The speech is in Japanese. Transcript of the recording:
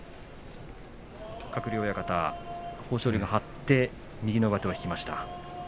鶴竜親方、豊昇龍が張って右の上手を引きました。